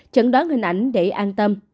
chẩn đoán hình ảnh để an tâm